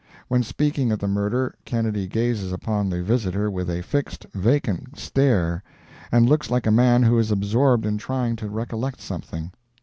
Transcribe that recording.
When speaking of the murder, Kennedy gazes upon the visitor with a fixed, vacant stare, and looks like a man who is absorbed in trying to recollect something.